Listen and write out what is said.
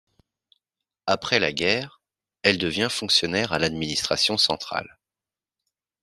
Après la guerre, elle devient fonctionnaire à l'Administration centrale.